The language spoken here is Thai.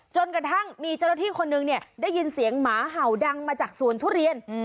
จนกระทั่งมีเจ้าหน้าที่คนนึงเนี่ยได้ยินเสียงหมาเห่าดังมาจากสวนทุเรียน